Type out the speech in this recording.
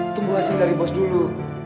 tunggu hasil dari bos dulu